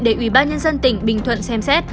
để ủy ban nhân dân tỉnh bình thuận xem xét